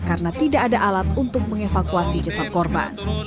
karena tidak ada alat untuk mengevakuasi jasad korban